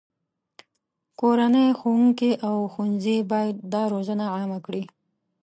کورنۍ، ښوونکي، او ښوونځي باید دا روزنه عامه کړي.